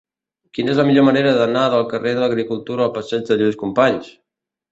Quina és la millor manera d'anar del carrer de l'Agricultura al passeig de Lluís Companys?